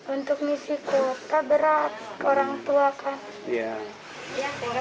untuk misi kuota berat orang tua kan